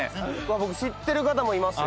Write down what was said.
僕知ってる方もいますよ。